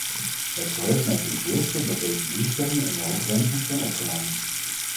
Het verheugt mij ten zeerste dat deze doelstellingen in de overeenkomst zijn opgenomen.